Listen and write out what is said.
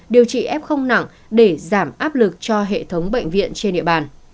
điều trị f nặng để giảm áp lực cho hệ thống bệnh viện trên địa bàn